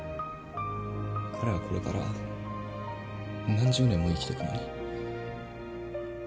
彼はこれから何十年も生きてくのに。